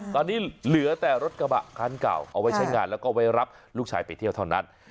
ตอนนี้เหลือแต่รถกระบะคันเก่าเอาไว้ใช้งานแล้วก็ไว้รับลูกชายไปเที่ยวเท่านั้น